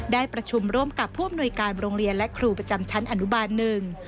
ได้ประชุมร่วมกับผู้อำนวยการโรงเรียนและครูประจำชั้นอนุบาลหนึ่ง